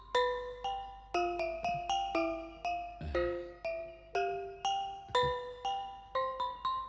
besok kita ubah wajah kadipati forsythia